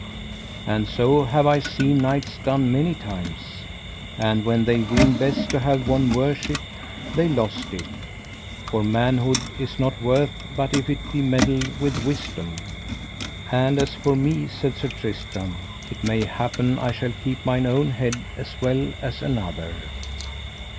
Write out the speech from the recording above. And so have I seen knights done many times; and when they weened best to have won worship they lost it, for manhood is not worth but if it be medled with wisdom. And as for me, said Sir Tristram, it may happen I shall keep mine own head as well as another.